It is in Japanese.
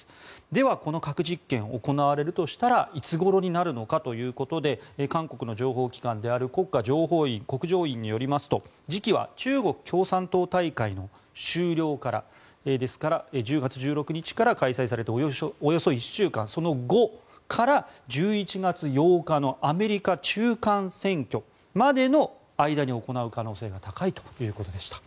ではこの核実験行われるとしたらいつごろになるのかということで韓国の情報機関である国家情報院、国情院によりますと時期は中国共産党大会の終了からですから１０月１６日から開催されておよそ１週間その後から１１月８日のアメリカ中間選挙までの間に行う可能性が高いということでした。